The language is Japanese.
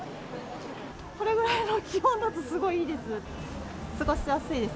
これぐらいの気温だと、すごいいいです。